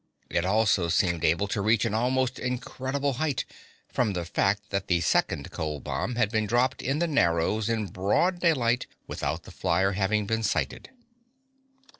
It also seemed able to reach an almost incredible height, from the fact that the second cold bomb had been dropped in the Narrows in broad daylight without the flyer having been sighted.